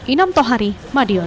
inam tohari madiun